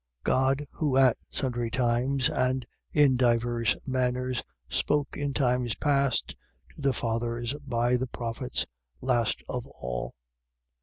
1:1. God, who, at sundry times and in divers manners, spoke in times past to the fathers by the prophets, last of all, 1:2.